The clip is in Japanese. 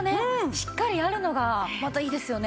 しっかりあるのがまたいいですよね。